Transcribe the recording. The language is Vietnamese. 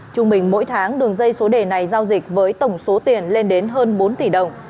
trung bình mỗi tháng đường dây số đề này giao dịch với tổng số tiền lên đến hơn bốn tỷ đồng